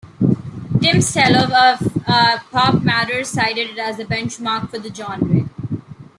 Tim Stelloh of "PopMatters" cited it as the "benchmark" for the genre.